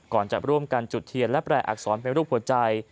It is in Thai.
ก่อนจะร่วมกันจุดเทียนและแปลอักษรเป็นรูปหัวใจ